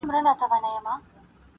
خدای په ټولوحیوانانو کی نادان کړم -